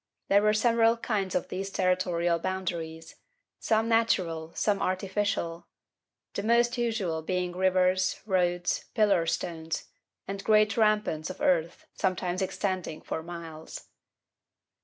There were several kinds of these territorial boundaries, some natural, some artificial, the most usual being rivers, roads, pillar stones, and great ramparts of earth sometimes extending for miles.